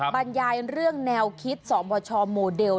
บรรยายเรื่องแนวคิดสองประชอมโมเดล